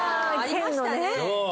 県のね。